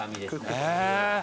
「へえ！」